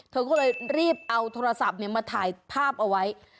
เธอก็เลยรีบเอาโทรศัพท์มาถ่ายภาพเอาไว้